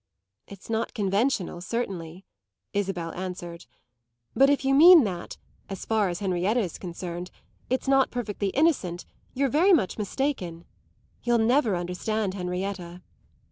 "It's not conventional, certainly," Isabel answered; "but if you mean that as far as Henrietta is concerned it's not perfectly innocent, you're very much mistaken. You'll never understand Henrietta."